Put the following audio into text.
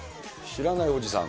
知らないおじさん。